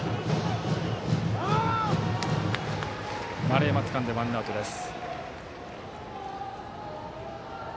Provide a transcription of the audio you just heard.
丸山つかんで、ワンアウトです。